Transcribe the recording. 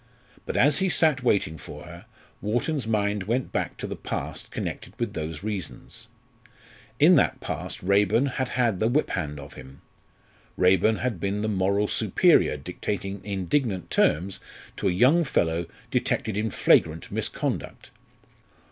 But as he sat waiting for her, Wharton's mind went back to the past connected with those reasons. In that past Raeburn had had the whip hand of him; Raeburn had been the moral superior dictating indignant terms to a young fellow detected in flagrant misconduct.